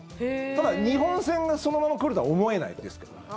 ただ、日本戦がそのまま来るとは思えないですけど。